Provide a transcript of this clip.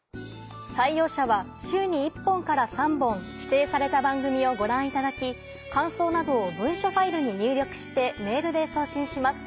採用者は週に１本から３本指定された番組をご覧いただき感想などを文書ファイルに入力してメールで送信します。